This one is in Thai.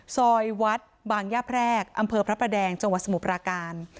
ซอยวัดบางย่าแพรกอำเภอพระประแดงจังหวัดสมุทรปราการ